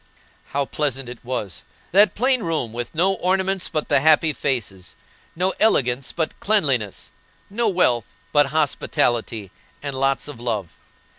How pleasant it was; that plain room, with no ornaments but the happy faces, no elegance, but cleanliness, no wealth, but hospitality and lots of love.